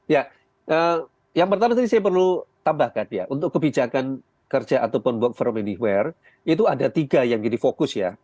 ya yang pertama tadi saya perlu tambahkan ya untuk kebijakan kerja ataupun work from anyware itu ada tiga yang jadi fokus ya